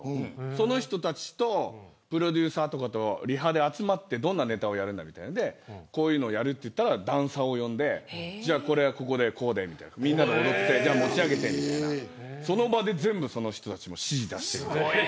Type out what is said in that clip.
その人たちとプロデューサーとかとリハで集まってどんなネタをやるんだみたいなのでこういうのをやると言ったらダンサーを呼んでここはこうでみんなで踊って持ち上げてみたいなその場で全部その人たちが指示を出した。